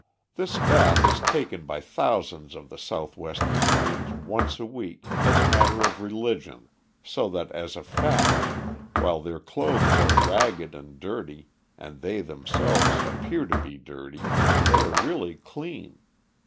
] This bath is taken by thousands of the Southwest Indians once a week as a matter of religion, so that, as a fact, while their clothes are ragged and dirty, and they themselves appear to be dirty, they are really clean.